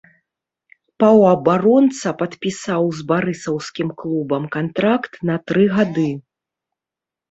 Паўабаронца падпісаў з барысаўскім клубам кантракт на тры гады.